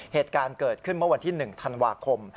เหตุการณ์เกิดขึ้นเมื่อวันที่๑ธันวาคม